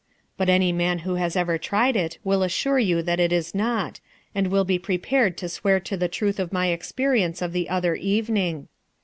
But any man who has ever tried it will assure you that it is not, and will be prepared to swear to the truth of my experience of the other evening.